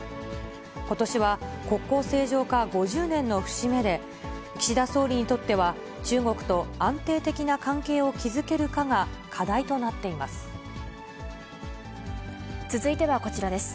ことしは国交正常化５０年の節目で、岸田総理にとっては、中国と安定的な関係を築けるかが課題となっています。